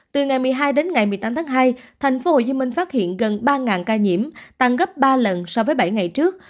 từ ngày một mươi hai đến ngày một mươi tám tháng hai tp hcm phát hiện gần ba ca nhiễm tăng gấp ba lần so với bảy ngày trước